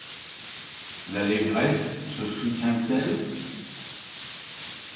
L’allégresse se soutient-elle?